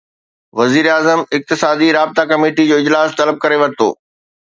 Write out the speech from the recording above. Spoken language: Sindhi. وزيراعظم اقتصادي رابطا ڪميٽي جو اجلاس طلب ڪري ورتو